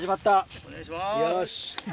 お願いします。